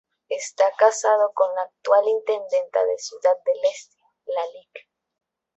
Está casado con la actual intendenta de Ciudad del Este, la Lic.